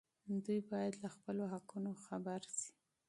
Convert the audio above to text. دوی باید له خپلو حقونو خبر شي.